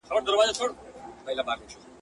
مُلا ډوب سو په سبا یې جنازه سوه!